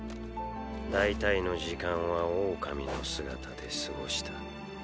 大体の時間はオオカミの姿で過ごした。